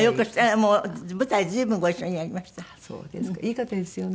いい方ですよね！